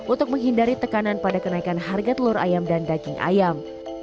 untuk menghindari tekanan pada kenaikan harga telur ayam dan daging ayam